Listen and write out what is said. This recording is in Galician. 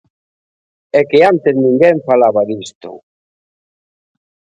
¡É que antes ninguén falaba disto!